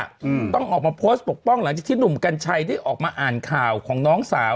อืมต้องออกมาโพสต์ปกป้องหลังจากที่หนุ่มกัญชัยได้ออกมาอ่านข่าวของน้องสาว